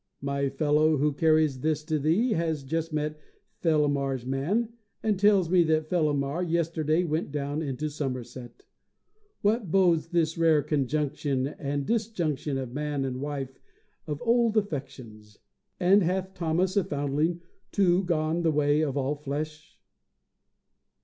My fellow, who carries this to thee, has just met Fellamar's man, and tells me that Fellamar yesterday went down into Somerset. What bodes this rare conjunction and disjunction of man and wife and of old affections? and hath "Thomas, a Foundling," too, gone the way of all flesh?